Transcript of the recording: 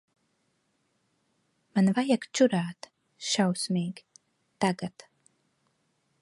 Man vajag čurāt. Šausmīgi. Tagad.